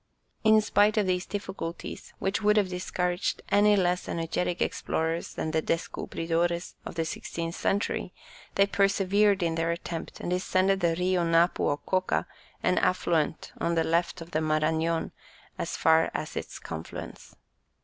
In spite of these difficulties, which would have discouraged any less energetic explorers than the descubridores of the sixteenth century, they persevered in their attempt and descended the Rio Napo or Coca, an affluent on the left of the Marañon, as far as its confluence.